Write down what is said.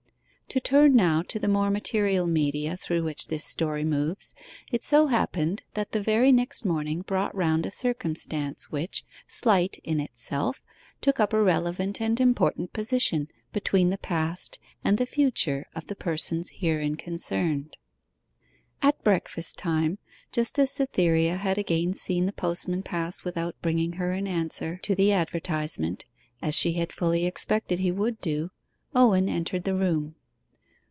To turn now to the more material media through which this story moves, it so happened that the very next morning brought round a circumstance which, slight in itself, took up a relevant and important position between the past and the future of the persons herein concerned. At breakfast time, just as Cytherea had again seen the postman pass without bringing her an answer to the advertisement, as she had fully expected he would do, Owen entered the room.